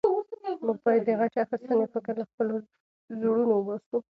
موږ باید د غچ اخیستنې فکر له خپلو زړونو وباسو.